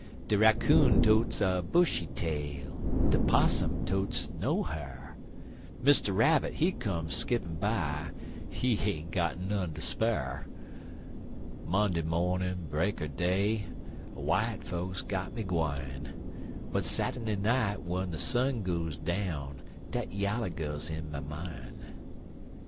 De raccoon totes a bushy tail, De 'possum totes no ha'r, Mr. Rabbit, he come skippin' by, He ain't got none ter spar'. Monday mornin' break er day, W'ite folks got me gwine, But Sat'dy night, w'en de sun goes down, Dat yaller gal's in my mine.